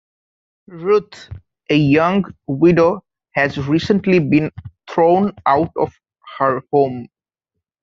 Ruth, a young widow has recently been thrown out of her home.